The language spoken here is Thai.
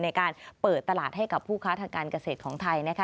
ในการเปิดตลาดให้กับผู้ค้าทางการเกษตรของไทยนะคะ